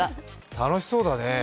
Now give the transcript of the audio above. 楽しそうだね。